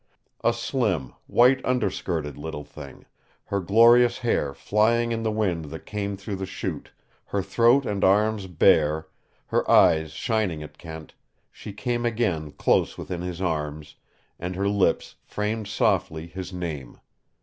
A slim, white underskirted little thing, her glorious hair flying in the wind that came through the Chute, her throat and arms bare, her eyes shining at Kent, she came again close within his arms, and her lips framed softly his name.